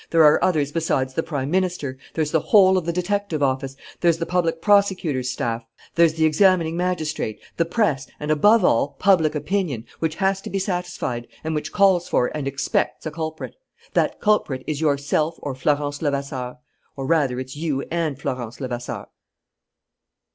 There are others besides the Prime Minister! There's the whole of the detective office, there's the public prosecutor's staff, there's the examining magistrate, the press and, above all, public opinion, which has to be satisfied and which calls for and expects a culprit. That culprit is yourself or Florence Levasseur. Or, rather, it's you and Florence Levasseur."